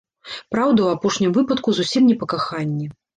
Праўда, у апошнім выпадку зусім не па каханні.